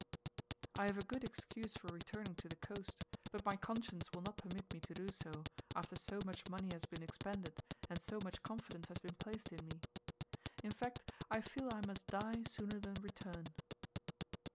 I have a good excuse for returning to the coast, but my conscience will not permit me to do so, after so much money has been expended, and so much confidence has been placed in me. In fact, I feel I must die sooner than return.